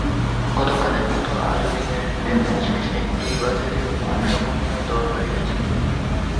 গতকালের মতো আজও দিনের লেনদেন শেষে দুই বাজারেই অধিকাংশ কোম্পানি দর হারিয়েছে।